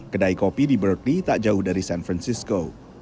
kedai kopi di birki tak jauh dari san francisco